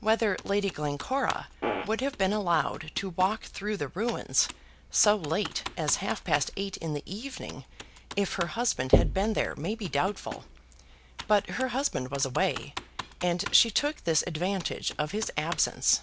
Whether Lady Glencora would have been allowed to walk through the ruins so late as half past eight in the evening if her husband had been there may be doubtful, but her husband was away and she took this advantage of his absence.